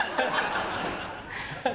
ハハハ！